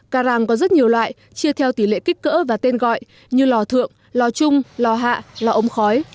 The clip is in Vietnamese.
cà ràng có rất nhiều loại chia theo tỷ lệ kích cỡ và tên gọi như lò thượng lò chung lò hạ lò ống khói